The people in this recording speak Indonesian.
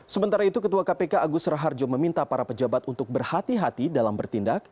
sementara itu ketua kpk agus raharjo meminta para pejabat untuk berhati hati dalam bertindak